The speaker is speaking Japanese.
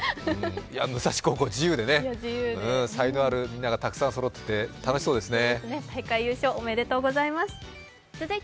武蔵高校、自由でね、才能あるみんながたくさんそろって楽しそうですね。